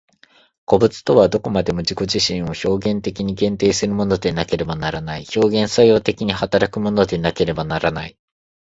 個物とはどこまでも自己自身を表現的に限定するものでなければならない、表現作用的に働くものでなければならない。